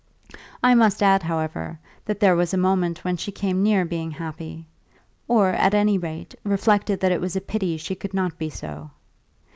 I must add, however, that there was a moment when she came near being happy or, at any rate, reflected that it was a pity she could not be so.